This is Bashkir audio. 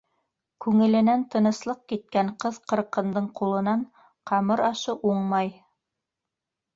Күңеленән тыныслыҡ киткән ҡыҙ-ҡырҡындың ҡулынан ҡамыр ашы уңмай.